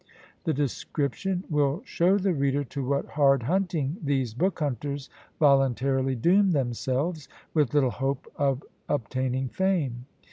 The description will show the reader to what hard hunting these book hunters voluntarily doom themselves, with little hope of obtaining fame!